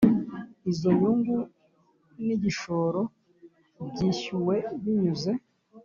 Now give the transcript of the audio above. Izo nyungu n igishoro byishyuwe binyuze